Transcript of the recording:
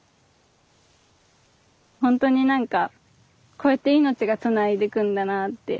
ほんとになんかこうやって命がつないでいくんだなって。